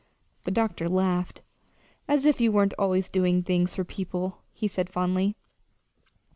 The doctor laughed. "As if you weren't always doing things for people," he said fondly.